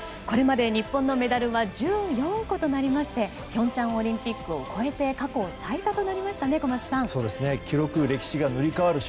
これまで、日本のメダルは１４個となりまして平昌オリンピックを超えて過去最多となりましたね小松さん。